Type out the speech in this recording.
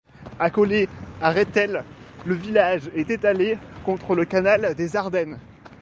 Accolée à Rethel, le village est étalé contre le Canal des Ardennes.